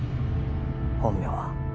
本名は